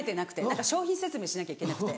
何か商品説明しなきゃいけなくて。